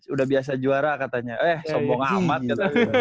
udah biasa juara katanya eh sombong amat gitu